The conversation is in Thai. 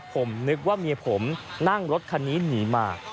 ผมนึกว่าเมียผมนั่งรถคันนี้หนีมา